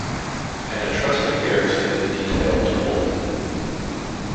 An Etruscan garrison was detailed to hold it.